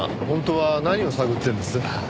本当は何を探ってるんです？